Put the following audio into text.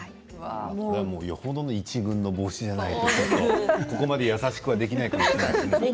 よほどの一軍の帽子じゃないと、そこまで優しくできないですね。